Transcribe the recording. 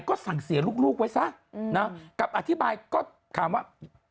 ก็สั่งเสียลูกไว้ซะนะกับอธิบายก็ถามว่า